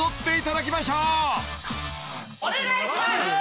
お願いします！